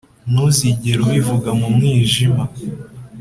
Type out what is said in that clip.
ntuzigere ubivuga mu mwijima